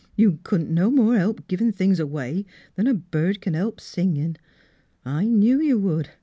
" You couldn't no more help givin' things away 'an a bird c'n help singin'. I knew you would.